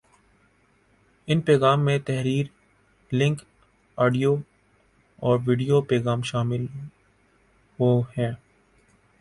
ان پیغام میں تحریر ، لنک ، آڈیو اور ویڈیو پیغام شامل ہو ہیں